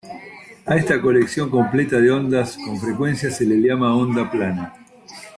A esta colección completa de ondas con frecuencia se les llama onda plana.